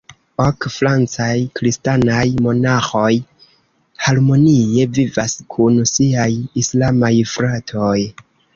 Ok francaj kristanaj monaĥoj harmonie vivas kun siaj islamaj fratoj.